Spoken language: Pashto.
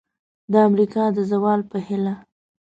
د امریکا د زوال په هیله!